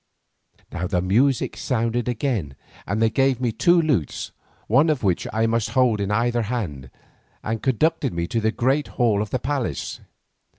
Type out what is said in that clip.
Now the music sounded again and they gave me two lutes, one of which I must hold in either hand, and conducted me to the great hall of the palace.